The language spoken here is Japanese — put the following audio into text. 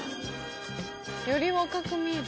より若く見える。